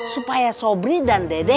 supaya sobri dan dede